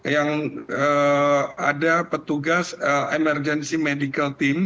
yang ada petugas emergency medical team